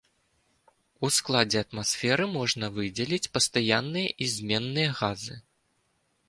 У складзе атмасферы можна выдзеліць пастаянныя і зменныя газы.